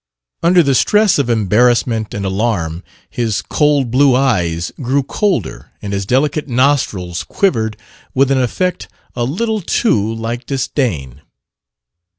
Under the stress of embarrassment and alarm his cold blue eyes grew colder and his delicate nostrils quivered with an effect a little too like disdain.